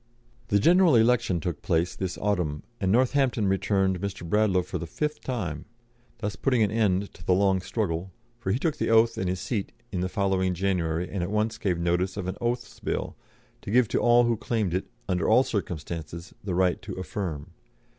The general election took place this autumn, and Northampton returned Mr. Bradlaugh for the fifth time, thus putting an end to the long struggle, for he took the oath and his seat in the following January, and at once gave notice of an Oaths Bill, to give to all who claimed it, under all circumstances, the right to affirm.